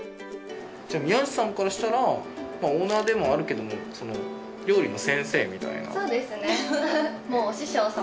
宮内さんからしたらオーナーでもあるけども料理の先生みたいな。